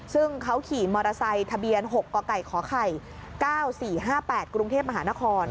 ซึ่งเขาขี่มอเตอร์ไซค์ทะเบียน๖กไก่ขไข่๙๔๕๘กรุงเทพมหานคร